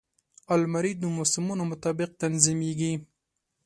الماري د موسمونو مطابق تنظیمېږي